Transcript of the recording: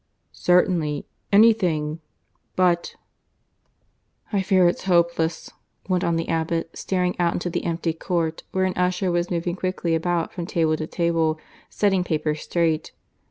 "Certainly anything .... But " "I fear it's hopeless," went on the abbot, staring out into the empty court, where an usher was moving quickly about from table to table setting papers straight.